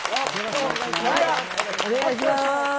お願いします。